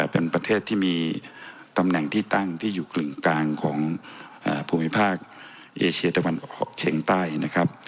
เป็นประเทศที่มีตำแหน่งที่ตั้งที่อยู่กึ่งกลางของภูมิภาคเอเชียตะวันออกเฉียงใต้นะครับ